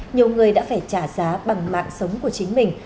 nhiều người đã phải trả giá bằng mạng sống của chính mình